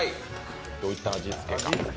どういった味付けか。